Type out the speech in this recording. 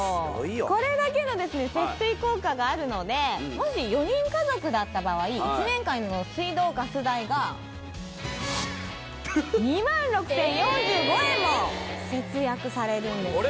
これだけの節水効果があるのでもし４人家族だった場合１年間の水道・ガス代が２万６０４５円も節約されるんですね